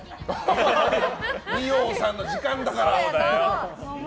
二葉さんの時間だから。